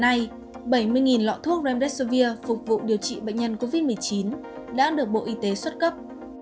hôm nay bảy mươi lọ thuốc remdeshvir phục vụ điều trị bệnh nhân covid một mươi chín đã được bộ y tế xuất cấp